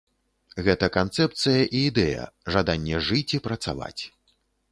Гэта канцэпцыя і ідэя, жаданне жыць і працаваць.